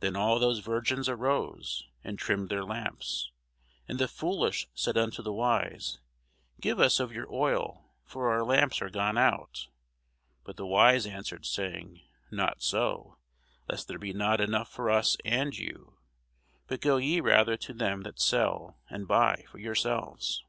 Then all those virgins arose, and trimmed their lamps. And the foolish said unto the wise, Give us of your oil; for our lamps are gone out. But the wise answered, saying, Not so; lest there be not enough for us and you: but go ye rather to them that sell, and buy for yourselves.